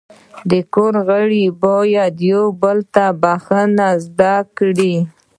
د کور غړي باید یو بل ته بخښنه زده کړي.